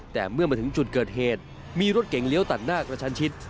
แต่เมื่อมาถึงจุดเกิดเหตุมีรถเก่งเลี้ยวตัดหน้ากระชันชิด